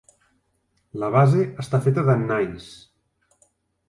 La base està feta de gnais.